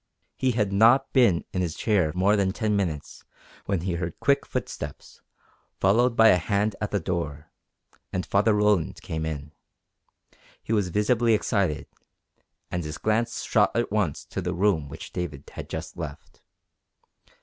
He had not been in his chair more than ten minutes when he heard quick footsteps, followed by a hand at the door, and Father Roland came in. He was visibly excited, and his glance shot at once to the room which David had just left.